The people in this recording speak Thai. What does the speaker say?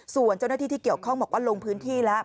ส่วนเจ้าหน้าที่ที่เกี่ยวข้องบอกว่าลงพื้นที่แล้ว